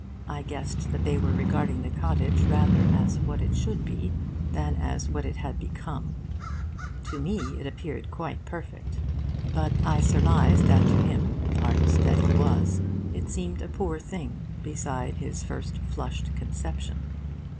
I guessed that they were regarding the cottage rather as what it should be than as what it had become. To me it appeared quite perfect. But I surmised that to him, artist that he was, it seemed a poor thing beside his first flushed conception.